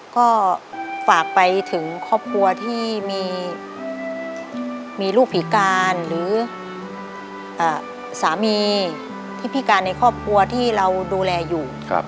ก็ฝากไปถึงครอบครัวที่มีลูกผีการหรือสามีที่พิการในครอบครัวที่เราดูแลอยู่